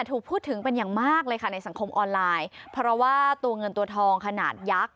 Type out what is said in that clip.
ถูกพูดถึงเป็นอย่างมากเลยค่ะในสังคมออนไลน์เพราะว่าตัวเงินตัวทองขนาดยักษ์